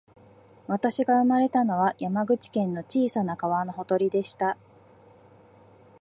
私が生まれたのは、山口県の小さな川のほとりでした